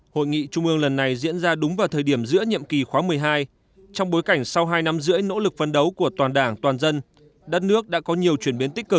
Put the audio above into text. hội nghị trung mương lần này diễn ra đúng vào thời điểm giữa nhiệm kỳ khóa một mươi hai trong bối cảnh sau hai năm rưỡi nỗ lực phân đấu của toàn đảng toàn dân